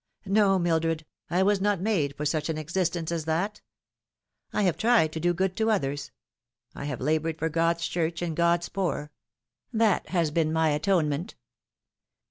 No, Mildred, I was not made for such an existence as that. I have tried to do good to others ; I have laboured for God's Church and God's poor. That has been my atonement."